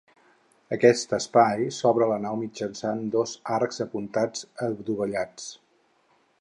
Aquest espai s'obre a la nau mitjançant dos arcs apuntats adovellats.